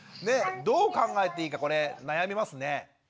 どう考えていいかこれ悩みますね。